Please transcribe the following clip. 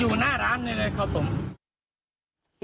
อยู่หน้าร้านนี้เลยครับผม